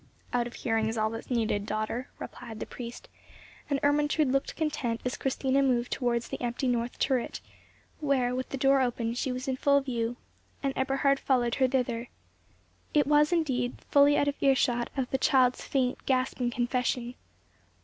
"Out of hearing is all that is needed, daughter," replied the priest; and Ermentrude looked content as Christina moved towards the empty north turret, where, with the door open, she was in full view, and Eberhard followed her thither. It was indeed fully out of earshot of the child's faint, gasping confession.